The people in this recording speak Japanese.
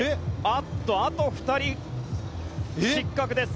あと２人、失格です。